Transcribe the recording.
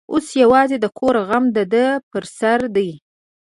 اوس یوازې د کور غم د ده پر سر دی.